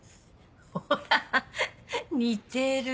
ほら似てる。